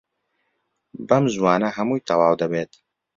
بەم زووانە هەمووی تەواو دەبێت.